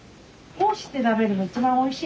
こうして食べるの一番おいしい。